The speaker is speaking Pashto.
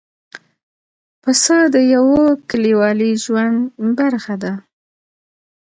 پسه د یوه کلیوالي ژوند برخه ده.